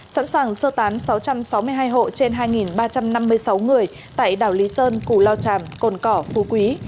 sẵn sàng sơ tán sáu trăm sáu mươi hai hộ trên hai ba trăm năm mươi sáu người tại đảo lý sơn củ lao tràm cồn cỏ phú quý